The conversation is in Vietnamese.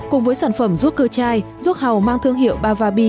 cùng với sản phẩm ruốc cơ chai ruốc hầu mang thương hiệu bavabi